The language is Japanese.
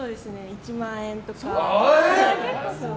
１万円とか。